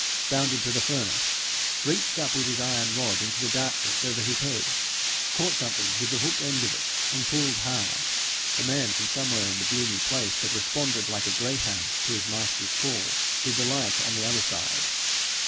bounded to the furnace, reached up with his iron rod into the darkness over his head, caught something with the hooked end of it, and pulled hard. A man who from somewhere in the gloomy place had responded like a greyhound to his master's call, did the like on the other side.